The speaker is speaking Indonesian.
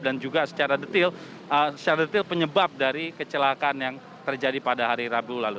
dan juga secara detail penyebab dari kecelakaan yang terjadi pada hari rabu lalu